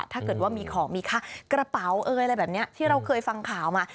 ถ้าเกิดว่ามีของมีค่ากระเป๋าเอ้ยอะไรแบบนี้ที่เราเคยฟังข่าวมา